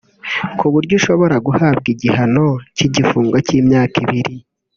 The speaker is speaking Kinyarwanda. ku buryo ushobora guhabwa igihano cy’igifungo cy’imyaka ibiri